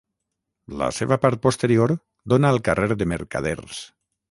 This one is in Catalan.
La seva part posterior dóna al carrer de Mercaders.